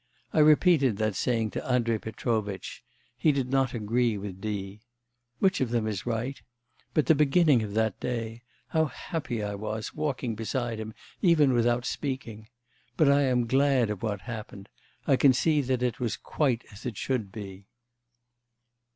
I repeated that saying to Andrei Petrovitch; he did not agree with D. Which of them is right? But the beginning of that day! How happy I was, walking beside him, even without speaking. ... But I am glad of what happened. I see that it was quite as it should be.